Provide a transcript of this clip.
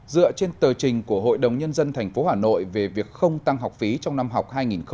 dựa trên tờ trình của hội đồng nhân dân tp hà nội về việc không tăng học phí trong năm học hai nghìn hai mươi hai nghìn hai mươi một